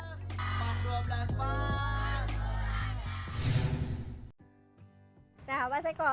nah mas eko